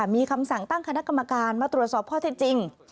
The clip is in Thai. มีคำสั่งตั้งคณะกรรมการมาตรวจสอบข้อเท็จจริง